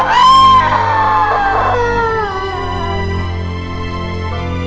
maaf pak maaf pak